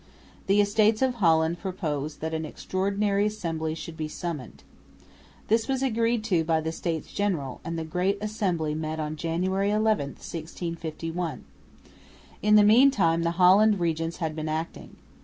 The Estates of Holland proposed that an extraordinary assembly should be summoned. This was agreed to by the States General; and "the Great Assembly" met on January 11, 1651. In the meantime the Holland regents had been acting.